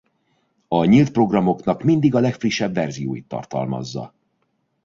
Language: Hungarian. A nyílt programoknak mindig a legfrissebb verzióit tartalmazza.